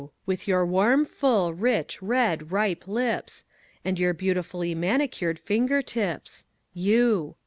With your warm, full, rich, red, ripe lips, And your beautifully manicured finger tips! You!